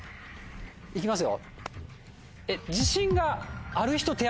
いきますよ。